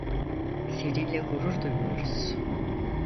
Seninle gurur duyuyoruz.